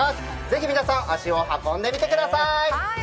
ぜひ皆さん足を運んでみてください。